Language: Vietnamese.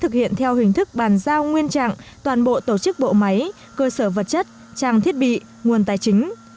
thực hiện theo hình thức bàn giao nguyên trạng toàn bộ tổ chức bộ máy cơ sở vật chất trang thiết bị nguồn tài chính